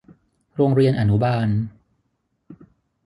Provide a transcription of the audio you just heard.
โรงเรียนอนุบาล